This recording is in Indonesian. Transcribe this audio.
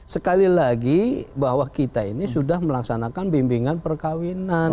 sekali lagi bahwa kita ini sudah melaksanakan bimbingan perkawinan